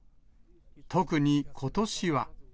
特にことしは。